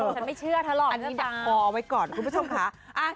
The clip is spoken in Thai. ฉันไม่เชื่อถ้าหรอกอันนี้แบบก่อไว้ก่อนคุณผู้ชมค่ะ